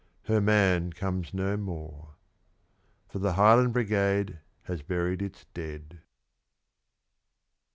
Her man comes no more. For the Highland Brigade has buried its dead.